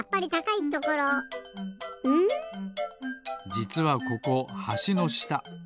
じつはここはしのした。